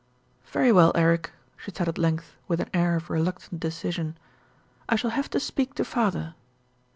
"Very well, Eric," she said at length, with an air of reluctant decision. "I shall have to speak to father."